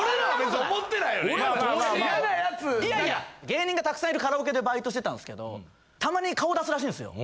芸人がたくさんいるカラオケでバイトしてたんですけどたまに顔出すらしいんですよ。